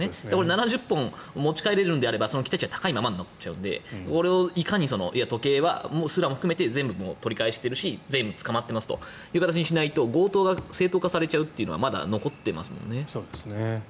７０本持ち帰れるのであれば期待値は高いままになっちゃうのでこれをいかに時計すらも含めて捕まえているし全員捕まっている形にしないと強盗が正当化されてしまうというのはまだ残ってますもんね。